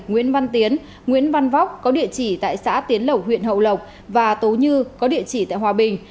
nguyễn văn tiến nguyễn văn vóc có địa chỉ tại xã tiến lẩu huyện hậu lộc và tố như có địa chỉ tại hòa bình